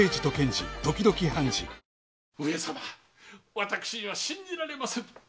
私は信じられませぬ。